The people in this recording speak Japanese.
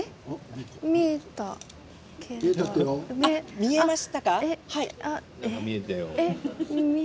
見えましたけど。